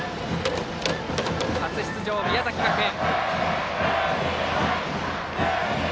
初出場、宮崎学園。